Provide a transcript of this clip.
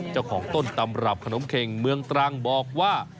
เจ้าของต้นตำรับขนมเข็งเมืองตรังบอกว่า